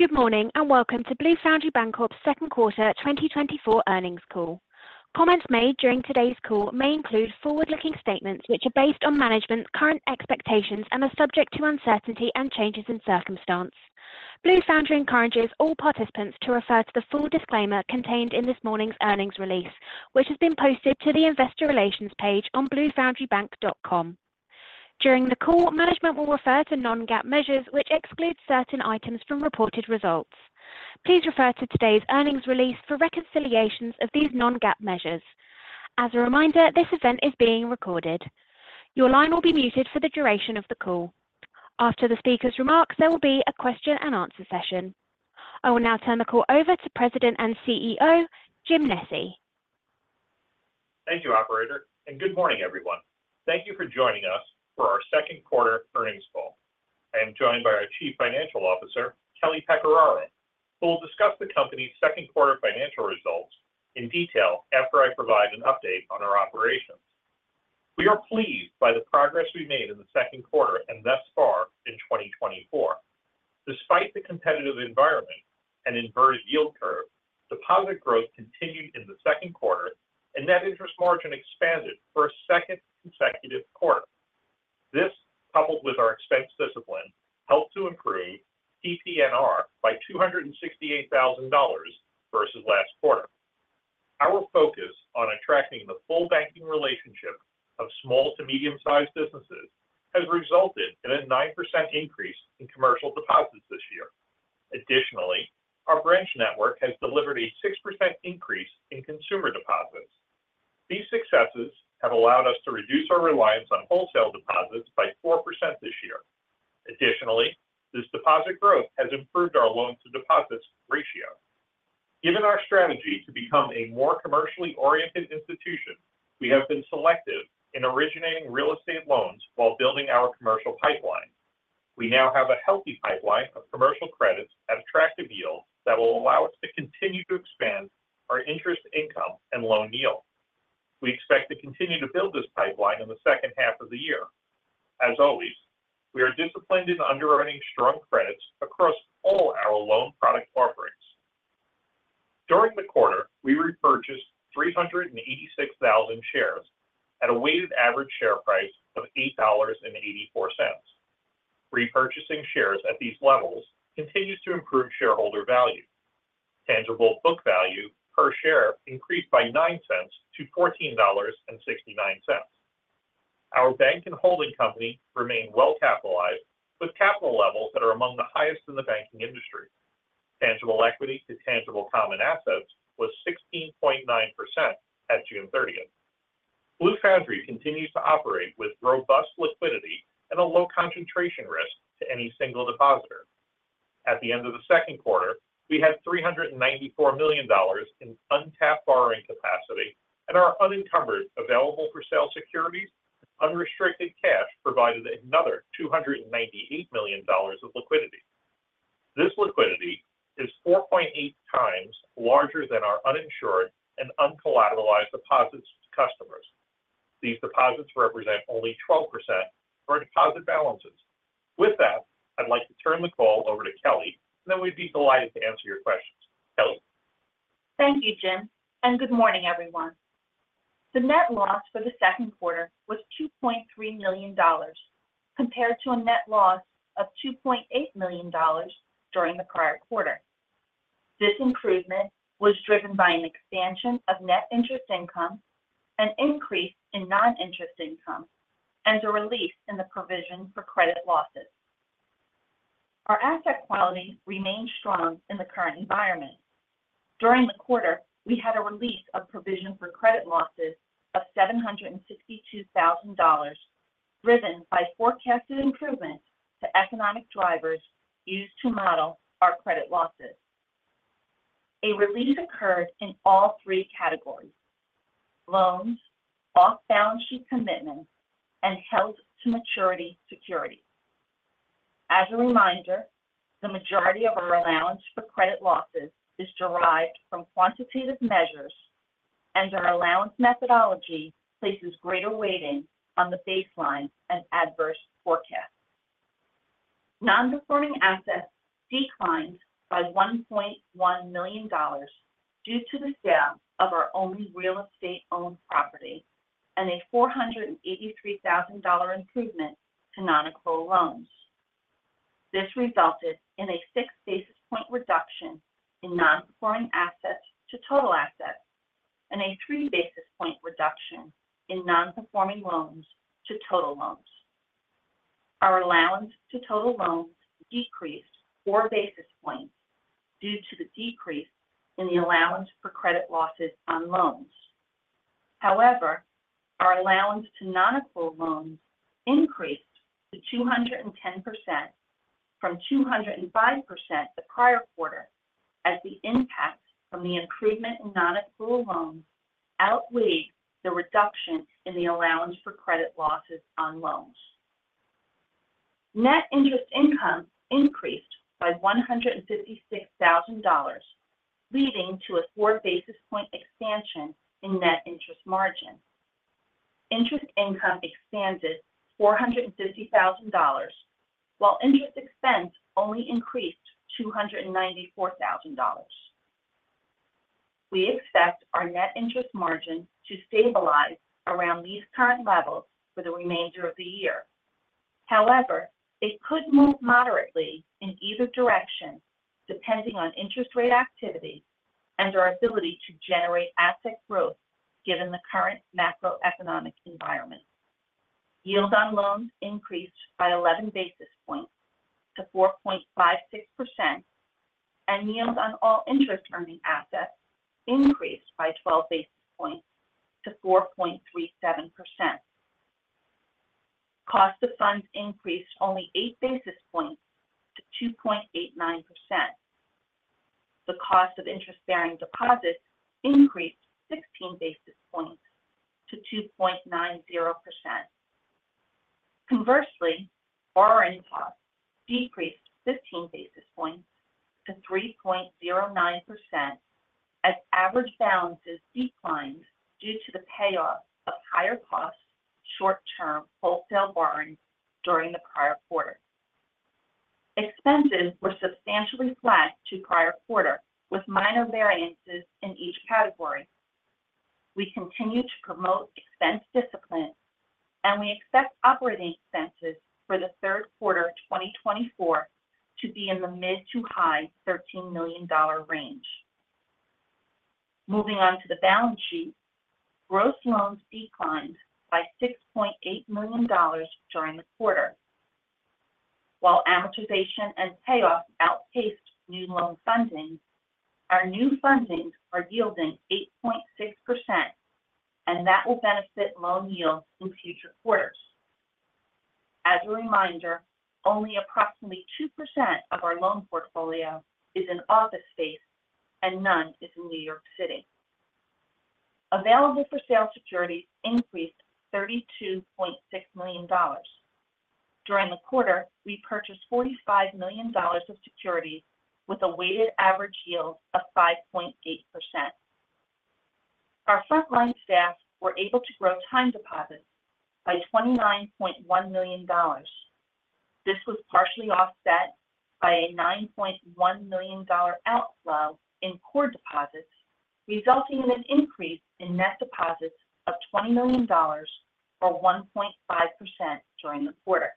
Good morning, and welcome to Blue Foundry Bancorp's q2 2024 Earnings call. Comments made during today's call may include forward-looking statements which are based on management's current expectations and are subject to uncertainty and changes in circumstance. Blue Foundry encourages all participants to refer to the full disclaimer contained in this morning's earnings release, which has been posted to the Investor Relations page on bluefoundrybank.com. During the call, management will refer to non-GAAP measures, which exclude certain items from reported results. Please refer to today's earnings release for reconciliations of these non-GAAP measures. As a reminder, this event is being recorded. Your line will be muted for the duration of the call. After the speaker's remarks, there will be a question and answer session. I will now turn the call over to President and CEO, James Nesci. Thank you, operator, and good morning, everyone. Thank you for joining us for our second quarter earnings call. I am joined by our Chief Financial Officer, Kelly Pecorari, who will discuss the company's second quarter financial results in detail after I provide an update on our operations. We are pleased by the progress we made in the second quarter and thus far in 2024. Despite the competitive environment and inverted yield curve, deposit growth continued in the second quarter and net interest margin expanded for a second consecutive quarter. This, coupled with our expense discipline, helped to improve PPNR by $268,000 versus last quarter. Our focus on attracting the full banking relationship of small to medium-sized businesses has resulted in a 9% increase in commercial deposits this year. Additionally, our branch network has delivered a 6% increase in consumer deposits. These successes have allowed us to reduce our reliance on wholesale deposits by 4% this year. Additionally, this deposit growth has improved our loan-to-deposits ratio. Given our strategy to become a more commercially oriented institution, we have been selective in originating real estate loans while building our commercial pipeline. We now have a healthy pipeline of commercial credits at attractive yields that will allow us to continue to expand our interest income and loan yield. We expect to continue to build this pipeline in the second half of the year. As always, we are disciplined in underwriting strong credits across all our loan product offerings. During the quarter, we repurchased 386,000 shares at a weighted average share price of $8.84. Repurchasing shares at these levels continues to improve shareholder value. Tangible book value per share increased by $0.09 to $14.69. Our bank and holding company remain well capitalized, with capital levels that are among the highest in the banking industry. Tangible equity to tangible common assets was 16.9% at June thirtieth. Blue Foundry continues to operate with robust liquidity and a low concentration risk to any single depositor. At the end of the second quarter, we had $394 million in untapped borrowing capacity and our unencumbered available-for-sale securities. Unrestricted cash provided another $298 million of liquidity. This liquidity is 4.8 times larger than our uninsured and uncollateralized deposits to customers. These deposits represent only 12% of our deposit balances. With that, I'd like to turn the call over to Kelly, and then we'd be delighted to answer your questions. Kelly? Thank you, Jim, and good morning, everyone. The net loss for the second quarter was $2.3 million, compared to a net loss of $2.8 million during the prior quarter. This improvement was driven by an expansion of net interest income, an increase in non-interest income, and a release in the provision for credit losses. Our asset quality remained strong in the current environment. During the quarter, we had a release of provision for credit losses of $762,000, driven by forecasted improvements to economic drivers used to model our credit losses. A release occurred in all three categories: loans, off-balance sheet commitments, and held-to-maturity securities. As a reminder, the majority of our allowance for credit losses is derived from quantitative measures, and our allowance methodology places greater weighting on the baseline and adverse forecast. Non-performing assets declined by $1.1 million due to the sale of our only real estate-owned property and a $483,000 improvement to non-accrual loans. This resulted in a 6 basis points reduction in non-performing assets to total assets and a 3 basis points reduction in non-performing loans to total loans. Our allowance to total loans decreased 4 basis points due to the decrease in the allowance for credit losses on loans. However, our allowance to non-accrual loans increased to 210% from 205% the prior quarter, as the impact from the improvement in non-accrual loans outweighed the reduction in the allowance for credit losses on loans. Net interest income increased by $156,000, leading to a 4 basis points expansion in net interest margin. Interest income expanded $450,000, while interest expense only increased $294,000. We expect our net interest margin to stabilize around these current levels for the remainder of the year. However, it could move moderately in either direction, depending on interest rate activity and our ability to generate asset growth, given the current macroeconomic environment. Yield on loans increased by 11 basis points to 4.56%, and yields on all interest-earning assets increased by 12 basis points to 4.37%. Cost of funds increased only 8 basis points to 2.89%. The cost of interest-bearing deposits increased 16 basis points to 2.90%. Conversely, borrowing costs decreased 15 basis points to 3.09% as average balances declined due to the payoff of higher cost, short-term wholesale borrowing during the prior quarter. Expenses were substantially flat to prior quarter, with minor variances in each category. We continue to promote expense discipline, and we expect operating expenses for the third quarter of 2024 to be in the mid- to high-$13 million range. Moving on to the balance sheet. Gross loans declined by $6.8 million during the quarter. While amortization and payoff outpaced new loan funding, our new fundings are yielding 8.6%, and that will benefit loan yields in future quarters. As a reminder, only approximately 2% of our loan portfolio is in office space and none is in New York City. Available-for-sale securities increased $32.6 million. During the quarter, we purchased $45 million of securities with a weighted average yield of 5.8%. Our frontline staff were able to grow time deposits by $29.1 million. This was partially offset by a $9.1 million dollar outflow in core deposits, resulting in an increase in net deposits of $20 million, or 1.5% during the quarter.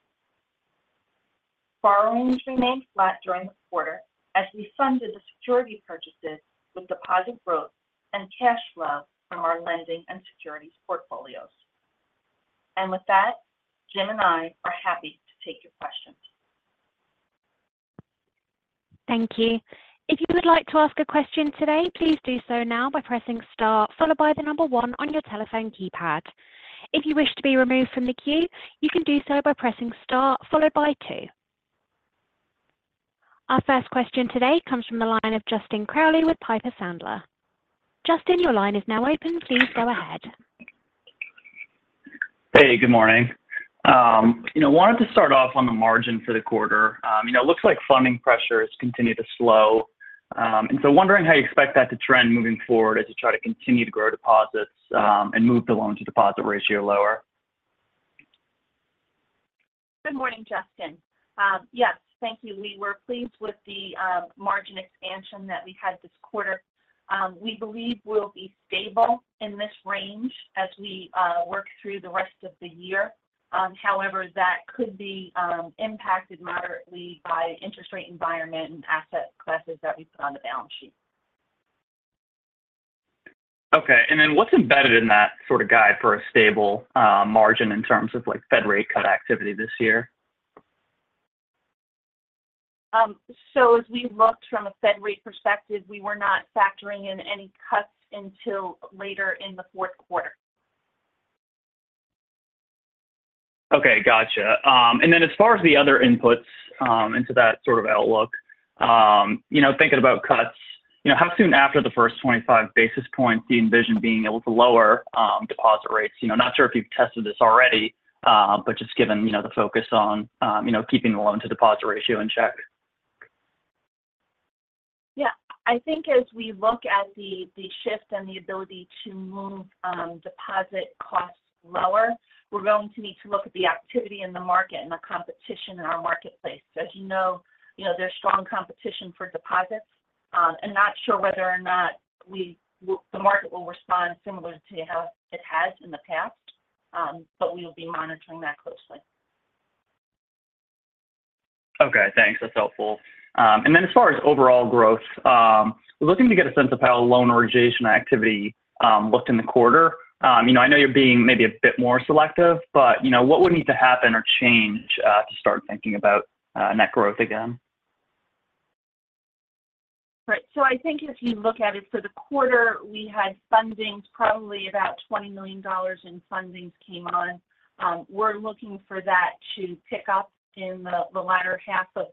Borrowings remained flat during the quarter as we funded the security purchases with deposit growth and cash flow from our lending and securities portfolios. With that, Jim and I are happy to take your questions. Thank you. If you would like to ask a question today, please do so now by pressing star, followed by the number one on your telephone keypad. If you wish to be removed from the queue, you can do so by pressing star followed by two. Our first question today comes from the line of Justin Crowley with Piper Sandler. Justin, your line is now open. Please go ahead. Hey, good morning. You know, wanted to start off on the margin for the quarter. You know, it looks like funding pressures continue to slow. And so wondering how you expect that to trend moving forward as you try to continue to grow deposits, and move the loan to deposit ratio lower? Good morning, Justin. Yes, thank you. We were pleased with the margin expansion that we had this quarter. We believe we'll be stable in this range as we work through the rest of the year. However, that could be impacted moderately by interest rate environment and asset classes that we put on the balance sheet. Okay. And then what's embedded in that sort of guide for a stable margin in terms of, like, Fed rate cut activity this year? So as we looked from a Fed rate perspective, we were not factoring in any cuts until later in the fourth quarter. Okay, gotcha. And then as far as the other inputs, into that sort of outlook, you know, thinking about cuts, you know, how soon after the first 25 basis points do you envision being able to lower, deposit rates? You know, not sure if you've tested this already, but just given, you know, the focus on, you know, keeping the loan-to-deposit ratio in check. Yeah. I think as we look at the shift and the ability to move deposit costs lower, we're going to need to look at the activity in the market and the competition in our marketplace. So as you know, you know, there's strong competition for deposits, and not sure whether or not the market will respond similar to how it has in the past, but we will be monitoring that closely. Okay, thanks. That's helpful. And then as far as overall growth, we're looking to get a sense of how loan origination activity looked in the quarter. You know, I know you're being maybe a bit more selective, but, you know, what would need to happen or change to start thinking about net growth again? Right. So I think if you look at it for the quarter, we had fundings, probably about $20 million in fundings came on. We're looking for that to pick up in the latter half of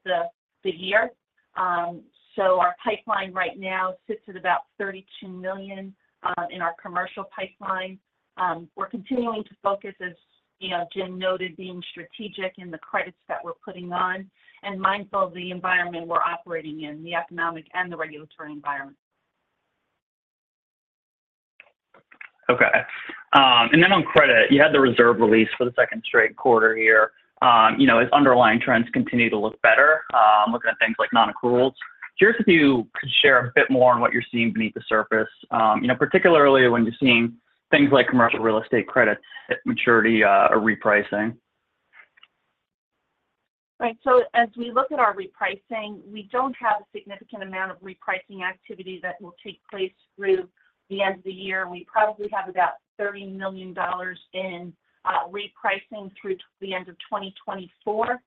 the year. So our pipeline right now sits at about $32 million in our commercial pipeline. We're continuing to focus, as you know, Jim noted, being strategic in the credits that we're putting on and mindful of the environment we're operating in, the economic and the regulatory environment.... Okay. And then on credit, you had the reserve release for the second straight quarter here. You know, as underlying trends continue to look better, looking at things like non-accruals. Curious if you could share a bit more on what you're seeing beneath the surface. You know, particularly when you're seeing things like commercial real estate credit maturity, are repricing. Right. So as we look at our repricing, we don't have a significant amount of repricing activity that will take place through the end of the year. We probably have about $30 million in repricing through the end of 2024.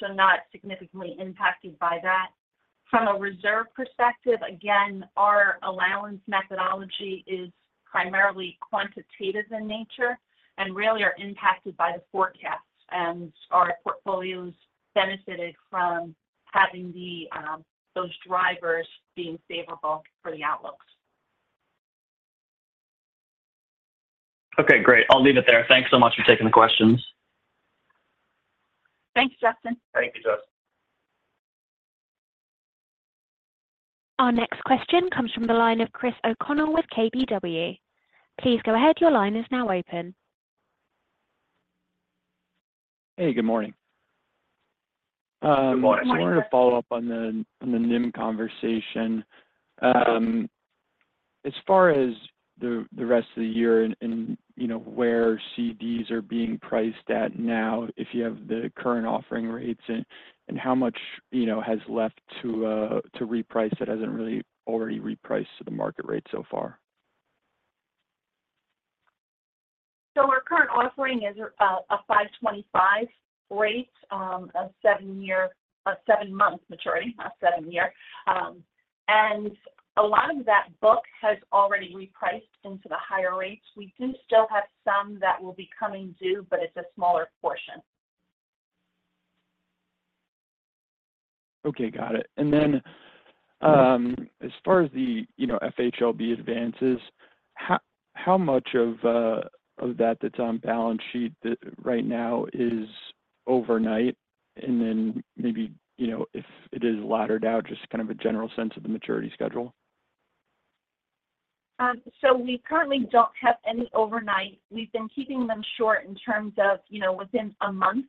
So not significantly impacted by that. From a reserve perspective, again, our allowance methodology is primarily quantitative in nature and really are impacted by the forecast, and our portfolios benefited from having the those drivers being favorable for the outlooks. Okay, great. I'll leave it there. Thanks so much for taking the questions. Thanks, Justin. Thank you, Justin. Our next question comes from the line of Chris O'Connell with KBW. Please go ahead. Your line is now open. Hey, good morning. Good morning. Good morning. So I wanted to follow up on the NIM conversation. As far as the rest of the year and, you know, where CDs are being priced at now, if you have the current offering rates and how much, you know, has left to reprice that hasn't really already repriced to the market rate so far? So our current offering is, a 5.25 rate, a 7-year-- a 7-month maturity, not 7-year. And a lot of that book has already repriced into the higher rates. We do still have some that will be coming due, but it's a smaller portion. Okay, got it. And then, as far as the, you know, FHLB advances, how much of that that's on balance sheet right now is overnight? And then maybe, you know, if it is laddered out, just kind of a general sense of the maturity schedule. We currently don't have any overnight. We've been keeping them short in terms of, you know, within a month.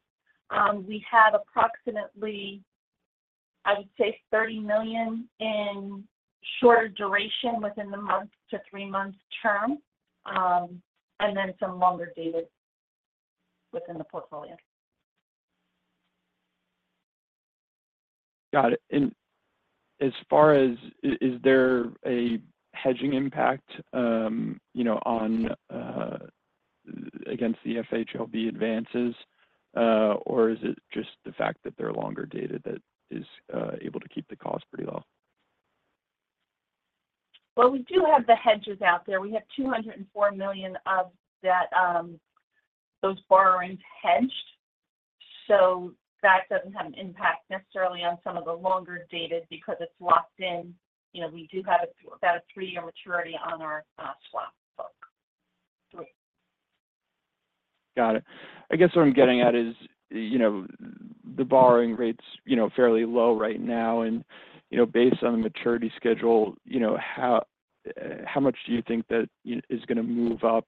We have approximately, I would say, $30 million in shorter duration within the month to three-month term, and then some longer dated within the portfolio. Got it. And as far as is there a hedging impact, you know, on, against the FHLB advances? Or is it just the fact that they're longer dated that is able to keep the cost pretty low? Well, we do have the hedges out there. We have $204 million of that, those borrowings hedged, so that doesn't have an impact necessarily on some of the longer dated because it's locked in. You know, we do have a, about a 3-year maturity on our, swap book. Got it. I guess what I'm getting at is, you know, the borrowing rates, you know, fairly low right now, and, you know, based on the maturity schedule, you know, how much do you think that it is gonna move up,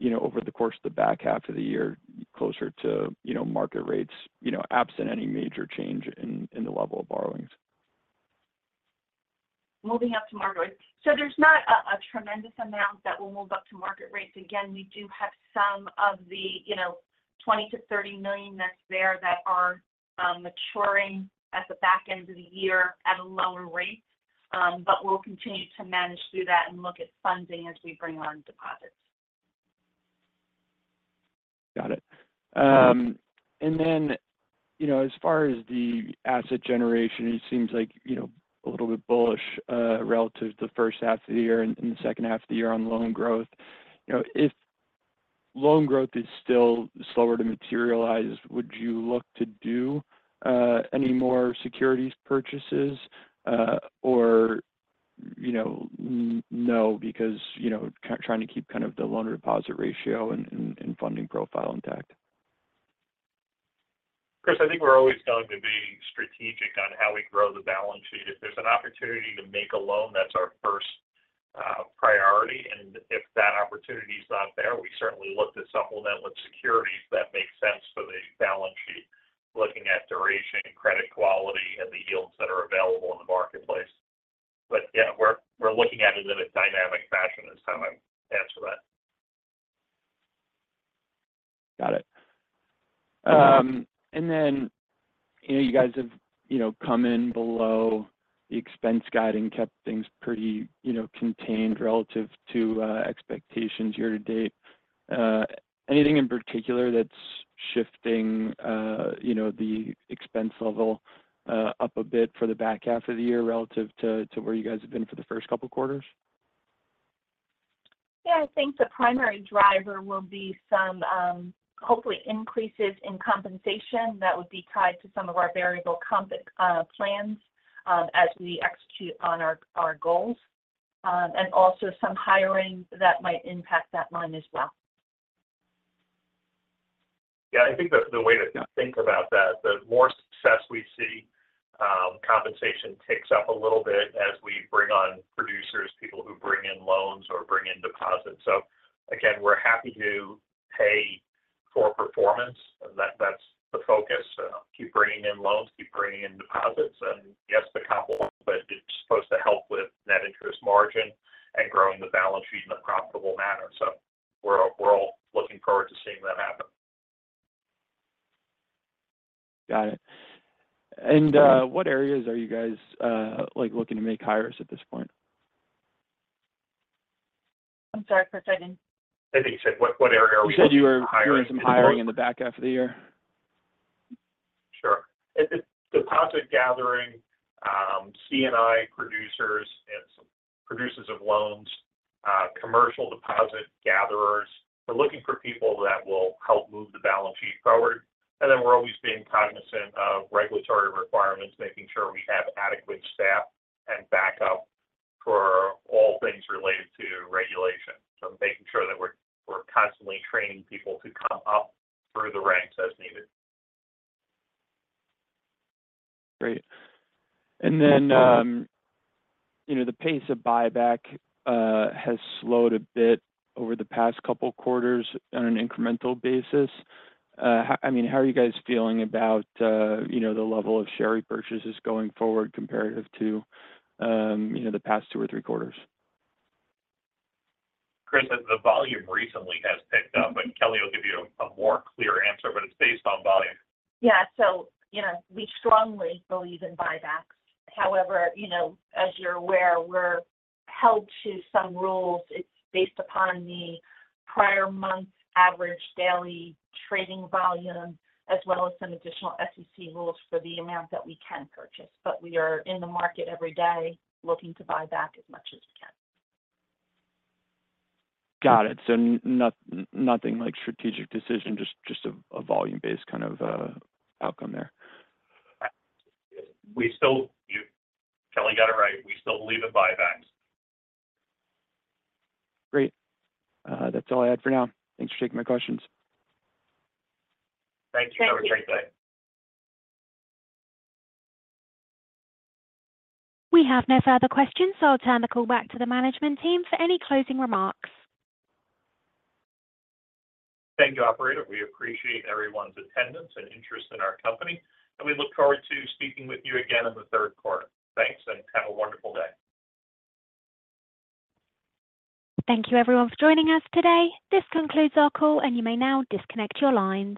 you know, over the course of the back half of the year, closer to, you know, market rates, you know, absent any major change in the level of borrowings? Moving up to market rates. So there's not a tremendous amount that will move up to market rates. Again, we do have some of the, you know, $20 million-$30 million that's there that are maturing at the back end of the year at a lower rate. But we'll continue to manage through that and look at funding as we bring on deposits. Got it. And then, you know, as far as the asset generation, it seems like, you know, a little bit bullish relative to the first half of the year and the second half of the year on loan growth. You know, if loan growth is still slower to materialize, would you look to do any more securities purchases? Or, you know, no, because, you know, trying to keep kind of the loan-to-deposit ratio and funding profile intact. Chris, I think we're always going to be strategic on how we grow the balance sheet. If there's an opportunity to make a loan, that's our first priority, and if that opportunity is not there, we certainly look to supplement with securities that make sense for the balance sheet, looking at duration, credit quality, and the yields that are available in the marketplace. But yeah, we're looking at it in a dynamic fashion is how I'd answer that. Got it. And then, you know, you guys have, you know, come in below the expense guide and kept things pretty, you know, contained relative to expectations year to date. Anything in particular that's shifting, you know, the expense level up a bit for the back half of the year relative to where you guys have been for the first couple of quarters? Yeah, I think the primary driver will be some hopefully increases in compensation that would be tied to some of our variable comp plans as we execute on our goals. And also some hiring that might impact that line as well.... Yeah, I think that the way to think about that, the more success we see, compensation ticks up a little bit as we bring on producers, people who bring in loans or bring in deposits. So again, we're happy to pay for performance. That's the focus. Keep bringing in loans, keep bringing in deposits, and yes, the couple, but it's supposed to help with net interest margin and growing the balance sheet in a profitable manner. So we're all looking forward to seeing that happen. Got it. What areas are you guys, like, looking to make hires at this point? I'm sorry, Chris, I didn't- I think you said what, what area are we- You said you were doing some hiring in the back half of the year. Sure. It's deposit gathering, C&I producers and some producers of loans, commercial deposit gatherers. We're looking for people that will help move the balance sheet forward. And then we're always being cognizant of regulatory requirements, making sure we have adequate staff and backup for all things related to regulation. So making sure that we're constantly training people to come up through the ranks as needed. Great. And then, you know, the pace of buyback has slowed a bit over the past couple quarters on an incremental basis. How-- I mean, how are you guys feeling about, you know, the level of share repurchases going forward comparative to, you know, the past two or three quarters? Chris, the volume recently has picked up, and Kelly will give you a more clear answer, but it's based on volume. Yeah. So, you know, we strongly believe in buybacks. However, you know, as you're aware, we're held to some rules. It's based upon the prior month's average daily trading volume, as well as some additional SEC rules for the amount that we can purchase. But we are in the market every day looking to buy back as much as we can. Got it. So no, nothing like a strategic decision, just a volume-based kind of outcome there. We still. You, Kelly, got it right. We still believe in buybacks. Great. That's all I had for now. Thanks for taking my questions. Thank you. Thank you. Have a great day. We have no further questions, so I'll turn the call back to the management team for any closing remarks. Thank you, operator. We appreciate everyone's attendance and interest in our company, and we look forward to speaking with you again in the third quarter. Thanks, and have a wonderful day. Thank you everyone for joining us today. This concludes our call, and you may now disconnect your lines.